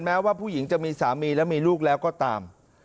แม้ว่าผู้หญิงจะมีสามีและมีลูกแล้วก็ตาม